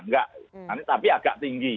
nggak tapi agak tinggi